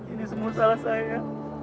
ini semua salah saya